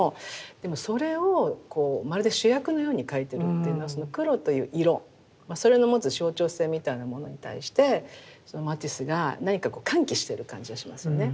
でもそれをまるで主役のように描いてるっていうのはその黒という色それの持つ象徴性みたいなものに対してマティスが何か喚起してる感じがしますよね。